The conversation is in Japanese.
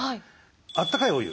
あったかいお湯。